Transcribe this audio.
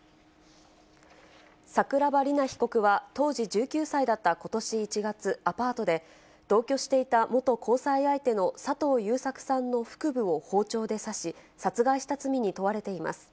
桜庭里菜被告は当時１９歳だったことし１月、アパートで同居していた元交際相手の佐藤優作さんの腹部を包丁で刺し、殺害した罪に問われています。